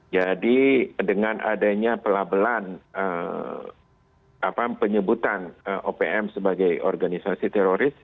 jadi dengan adanya pelabelan penyebutan opm sebagai organisasi teroris